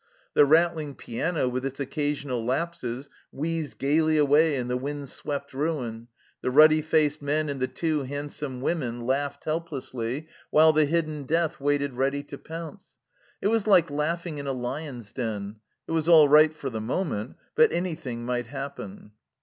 The rattling piano, with its occasional lapses, wheezed gaily away in the wind swept ruin, the ruddy faced men and the two handsome women laughed helplessly, while the hidden death waited ready to pounce. It was like laughing in a lions' den ; it was all right for the moment, but anything might happen.